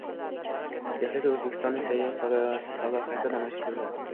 Dehlida Oʻzbekistonning sayyohlik salohiyati namoyish etildi